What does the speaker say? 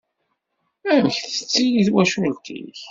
Amek tettili twacult-ik?